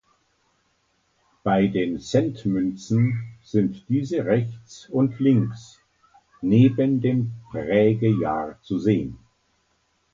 Bei den Centmünzen sind diese rechts und links neben dem Prägejahr zu sehen.